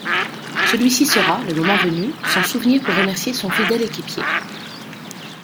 Celui-ci saura, le moment venu, s'en souvenir pour remercier son fidèle équipier.